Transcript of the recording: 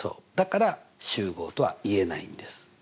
だから集合とは言えないんです。